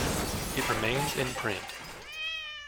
It remains in print.